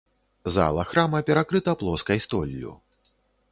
Зала храма перакрыта плоскай столлю.